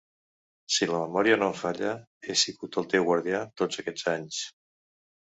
Si la memòria no em falla, he sigut el teu guardià tots aquests anys.